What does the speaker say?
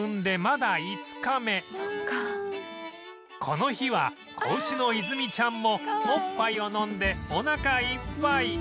この日は子牛の泉ちゃんもおっぱいを飲んでおなかいっぱい